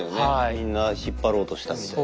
みんな引っ張ろうとしたみたいな。